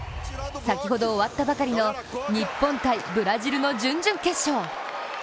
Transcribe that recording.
先ほど終わったばかりの日本対ブラジルの準々決勝。